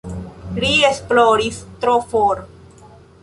Ri esploris tro for.